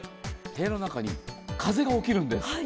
部屋の中に風が起きるんです。